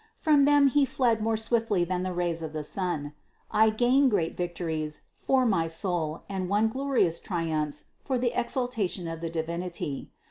From them he fled more swiftly than the sun's rays. I gained great victories for my soul and won glorious triumphs for the exaltation of the Divinity.